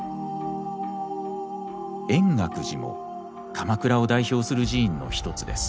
円覚寺も鎌倉を代表する寺院の一つです。